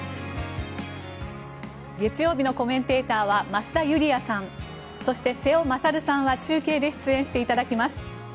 月曜日のコメンテーターは増田ユリヤさんそして瀬尾傑さんは中継で出演していただきます。